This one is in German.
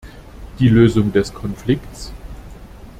Die Lösung des Konflikts?